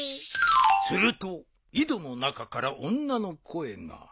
「すると井戸の中から女の声が」